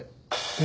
え？